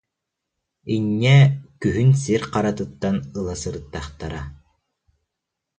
Инньэ, күһүн сир харатыттан ыла сырыттахтара